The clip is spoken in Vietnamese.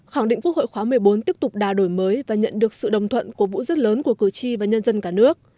khẳng định quốc hội khóa một mươi bốn tiếp tục đà đổi mới và nhận được sự đồng thuận cổ vũ rất lớn của cử tri và nhân dân cả nước